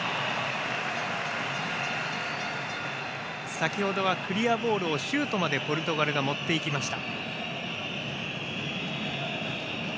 先ほどはクリアボールをシュートまでポルトガルが持っていきました。